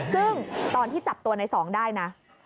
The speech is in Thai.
ซึ่งตอนที่จับตัวในสองได้นะ